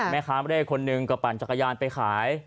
แม่ค้าเลขคนหนึ่งก็ปั่นจักรยานไปขาย